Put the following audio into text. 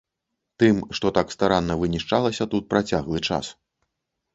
Тым, што так старанна вынішчалася тут працяглы час.